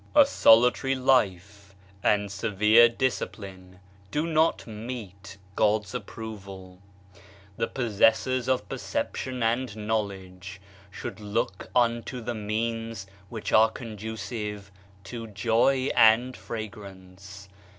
" A solitary life and severe discipline do not meet (God's) approval. The pos sessorsof perceptionjand knowledge should look unto the means which are conducive to joy and fragrance.